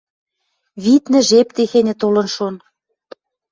Виднӹ, жеп техеньӹ толын шон.